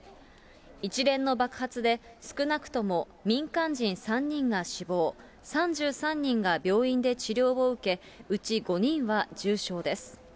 一連の爆発で、少なくとも民間人３人が死亡、３３人が病院で治療を受け、うち５人は重傷です。